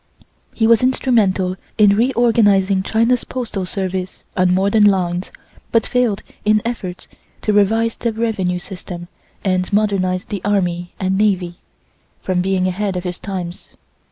He was instrumental in reorganizing China's postal service on modern lines, but failed in efforts to revise the revenue system and modernize the army and navy, from being ahead of his times.